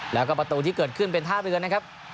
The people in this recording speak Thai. แล้วก็ประตูที่เกิดขึ้นเป็นท่าเรือนะครับ